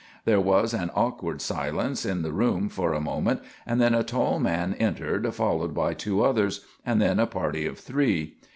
There was an awkward silence in the room for a moment, and then a tall man entered, followed by two others, and then a party of three.